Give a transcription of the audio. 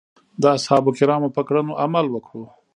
د اصحابو کرامو په کړنو عمل وکړو.